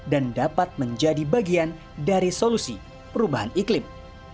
dan dapat menjadi bagian dari solusi perubahan iklim